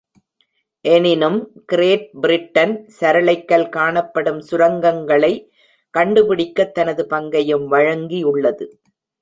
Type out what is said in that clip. எனினும், great Britain சரளை கல் காணப்படும் சுரங்கங்களை கண்டுபிடிக்க தனது பங்கையும் வழங்கியுள்ளது.